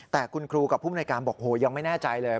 แต่คุณครูกับภูมิในการบอกโหยังไม่แน่ใจเลย